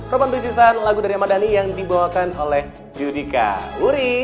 ropan bisiusan lagu dari ahmad dhani yang dibawakan oleh judika wuri